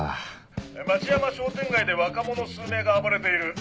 町山商店街で若者数名が暴れている。